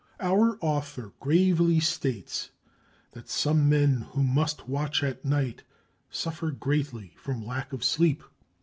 Our author gravely states that "some men who must watch at night suffer greatly from lack of sleep."